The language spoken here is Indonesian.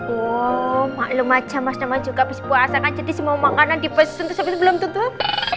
wow maklum aja mas nama juga abis puasa kan jadi semua makanan dipesan terus abis itu belum tutup